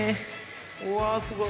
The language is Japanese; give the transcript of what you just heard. うわー、すごい。